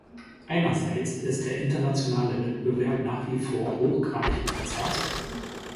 Einerseits ist der internationale Wettbewerb nach wie vor hochgradig verzerrt.